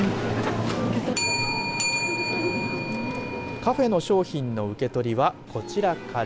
カフェの商品の受け取りはこちらから。